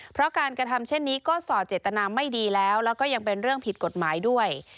เพราะการกระทำเช่นนี้ก็สอดเจตนาไม่ดีแล้วแล้วก็ยังเป็นเรื่องผิดกฎหมายด้วย